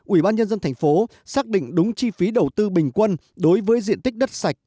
ủy ban nhân dân thành phố xác định đúng chi phí đầu tư bình quân đối với diện tích đất sạch